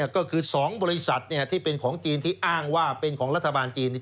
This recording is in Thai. ก็คือ๒บริษัทที่เป็นของจีนที่อ้างว่าเป็นของรัฐบาลจีน